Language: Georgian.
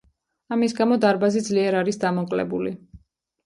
ამის გამო დარბაზი ძლიერ არის დამოკლებული.